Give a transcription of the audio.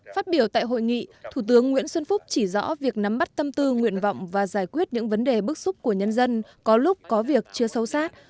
phát biểu tại hội nghị thủ tướng nguyễn xuân phúc chỉ rõ việc nắm bắt tâm tư nguyện vọng và giải quyết những vấn đề bức xúc của nhân dân có lúc có việc chưa sâu sát